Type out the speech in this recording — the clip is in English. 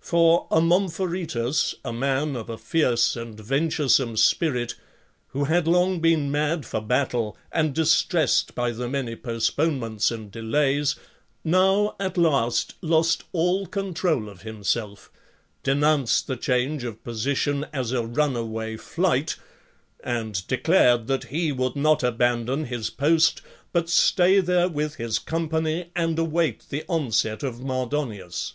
For Amompharetus, a man of a fierce and venturesome spirit, who had long been mad for battle and distressed by the many post ponements' and. delays, now at last lost all control of himself, denounced the change. of position as.a runaway flight, and» declared that he would not abandon his post, but stay there with his company and await the onset of Mardonius.